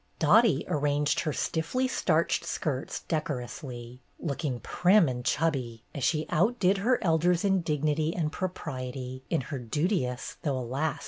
Dottie arranged her stiffly starched skirts decorously, looking prim and chubby as she outdid her elders in dignity and propriety in her duteous though, alas